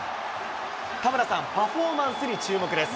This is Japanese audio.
田村さん、パフォーマンスに注目です。